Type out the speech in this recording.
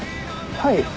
はい。